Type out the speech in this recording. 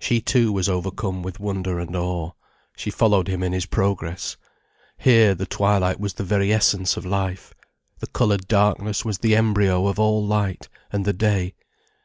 She too was overcome with wonder and awe. She followed him in his progress. Here, the twilight was the very essence of life, the coloured darkness was the embryo of all light, and the day.